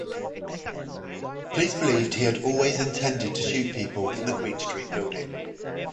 Police believed he had always intended to shoot people in the Queen Street building.